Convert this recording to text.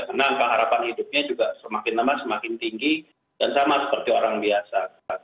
karena keharapan hidupnya juga semakin lemah semakin tinggi dan sama seperti orang biasa